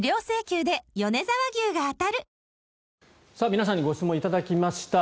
皆さんにご質問頂きました。